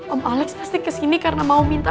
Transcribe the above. om alex pasti kesini karena mau minta